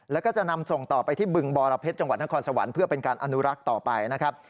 แล้วก็จะนำส่งต่อไปที่บึงบรเพชรจังหวัดนครสวรรค์เพื่อเป็นการอนุรักษ์ต่อไปนะครับ